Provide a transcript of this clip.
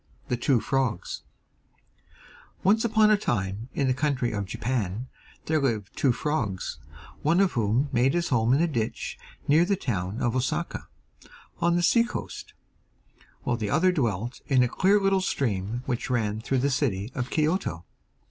THE TWO FROGS Once upon a time in the country of Japan there lived two frogs, one of whom made his home in a ditch near the town of Osaka, on the sea coast, while the other dwelt in a clear little stream which ran through the city of Kioto.